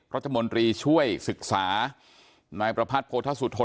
รัฐมนตรีช่วยศึกษานายประพัทธสุธน